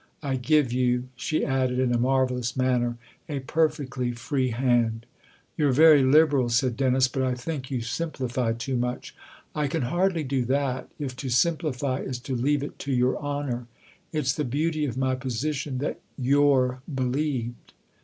I give you," she added in a marvellous manner, " a perfectly free hand !"" You're very liberal," said Dennis, " but I think you simplify too much." " I can hardly do that if to simplify is to leave it to your honour. It's the beauty of my position that you're believed."